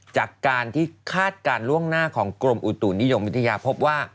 จากการที่คาดการณ์ล่วงหน้าของกรมอุตุนิยมวิทยาพบว่า